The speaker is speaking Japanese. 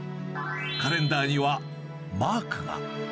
カレンダーにはマークが。